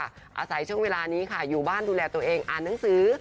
อาศัยช่วงเวลานี้ค่ะอยู่บ้านดูแลตัวเองอ่านหนังสือ